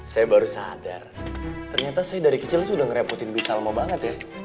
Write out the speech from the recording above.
saya baru sadar ternyata saya dari kecil itu udah ngerepotin bisa lama banget ya